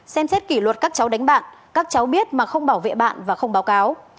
xem xét kỷ luật các cháu đánh bạn các cháu biết mà không bảo vệ bạn và không báo cáo